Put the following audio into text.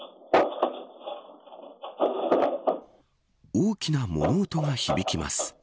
大きな物音が響きます。